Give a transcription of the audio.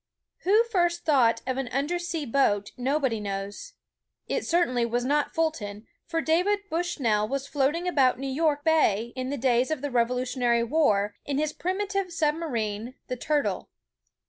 Who first thought of an under sea boat, nobody knows. It certainly was not Fulton, for David Bushnell was float ing about New York Bay in the days of the Revolutionary War, in his primitive submarine, the Turtle.